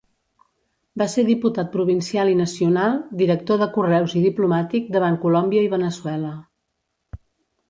Va ser diputat provincial i nacional, director de Correus i diplomàtic davant Colòmbia i Veneçuela.